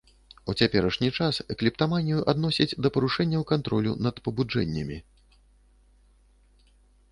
У цяперашні час клептаманію адносяць да парушэнняў кантролю над пабуджэннямі.